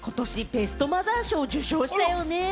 ベストマザー賞を受賞したよね？